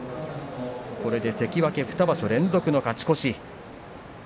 これで関脇２場所連続の勝ち越し。